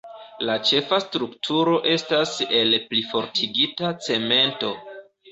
La ĉefa strukturo estas el plifortigita cemento.